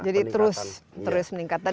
jadi terus peningkatan